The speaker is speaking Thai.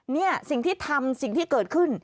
นี่สิ่งที่ทำสิ่งที่เกิดขึ้น